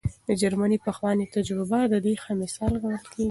د جرمني پخوانۍ تجربه د دې ښه مثال ګڼل کېږي.